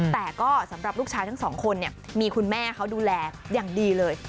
แต่ก็สำหรับลูกชายทั้งสองคนเนี่ยมีคุณแม่เขาดูแลอย่างดีเลย